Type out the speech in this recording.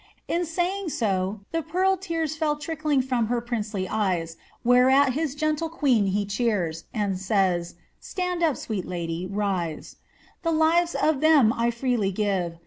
In nying so the pearled tears Fell trickling fiom her princely ejres, Whereat his gentle queen he cheers, And says, ' Stand up, sweet lady, rise; *The Kyes of them I fteely give.